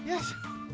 よし！